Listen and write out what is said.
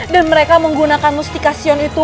dan mereka menggunakan mustikasyon itu